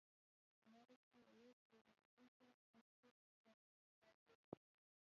په لاره کې یوې پلورنځۍ ته ورکښته شه او را یې نیسه.